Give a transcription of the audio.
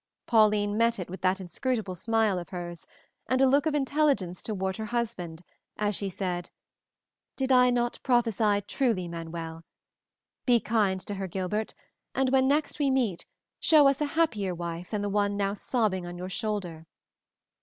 Pauline met it with that inscrutable smile of hers, and a look of intelligence toward her husband, as she said, "Did I not prophesy truly, Manuel? Be kind to her, Gilbert, and when next we meet show us a happier wife than the one now sobbing on your shoulder.